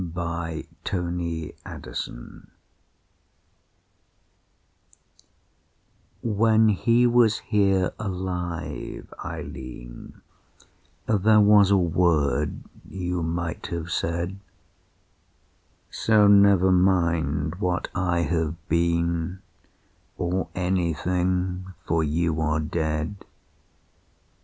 Lisette and Eileen "When he was here alive, Eileen, There was a word you might have said; So never mind what I have been, Or anything, for you are dead.